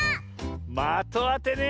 まとあてね。